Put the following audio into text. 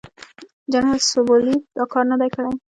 جنرال سوبولیف دا کار نه دی کړی.